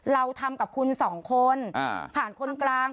เราทำกับคุณสองคนผ่านคนกลาง